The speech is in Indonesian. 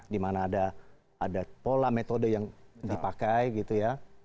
di mana ada pola metode yang dipakai gitu ya